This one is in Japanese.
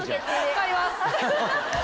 買います！